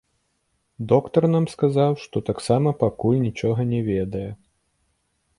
Доктар нам сказаў, што таксама пакуль нічога не ведае.